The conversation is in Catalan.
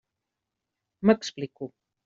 M'explico.